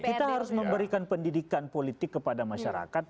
kita harus memberikan pendidikan politik kepada masyarakat